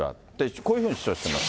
こういうふうに主張してます。